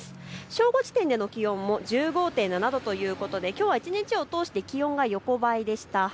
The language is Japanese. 正午時点での気温も１５．７度ということで、きょうは一日を通して気温が横ばいでした。